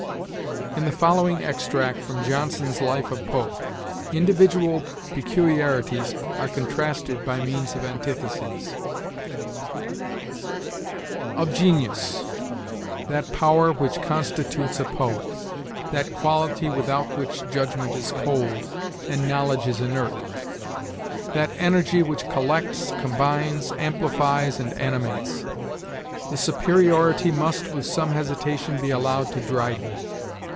In the following extract from Johnson's "Life of Pope," individual peculiarities are contrasted by means of antitheses: "Of genius that power which constitutes a poet; that quality without which judgment is cold, and knowledge is inert; that energy which collects, combines, amplifies, and animates the superiority must, with some hesitation, be allowed to Dryden.